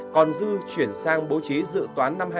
còn dư chuyển sang bố trí dự toán năm hai nghìn hai mươi